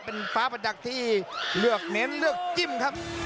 เป็นฟ้าประดับที่เลือกเน้นเลือกจิ้มครับ